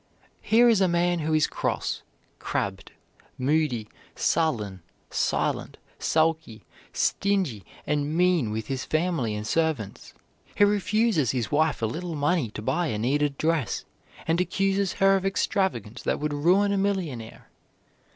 Here is a man who is cross, crabbed, moody, sullen, silent, sulky, stingy, and mean with his family and servants. He refuses his wife a little money to buy a needed dress, and accuses her of extravagance that would ruin a millionaire.